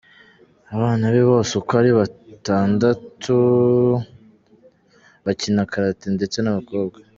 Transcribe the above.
Abana be bose uko ari batandatu bakina karate ndetse n’abakobwa.